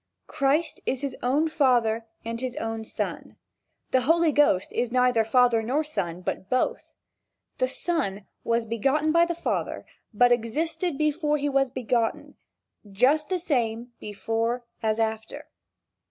Christ is his own father and his own son. The Holy Ghost is neither father nor son, but both. The son was begotten by the father, but existed before he was begotten just the same before as after.